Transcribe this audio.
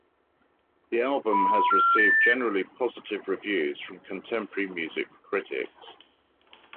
The album has received generally positive reviews from contemporary music critics.